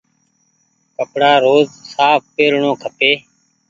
ڪپڙآ روز ساڦ پيرڻو کپي۔